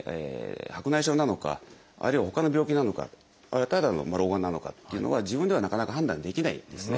白内障なのかあるいはほかの病気なのかあるいはただの老眼なのかっていうのは自分ではなかなか判断できないんですね。